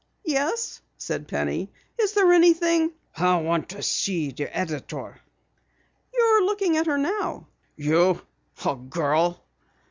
"Yes," said Penny. "Is there anything " "I want to see the editor." "You're looking at her now." "You! A girl!"